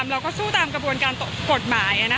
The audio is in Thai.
เราก็สู้ตามกระบวนการกฎหมาย